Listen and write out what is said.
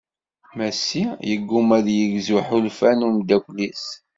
Massi yegguma ad yegzu iḥulfan n umddakel-is.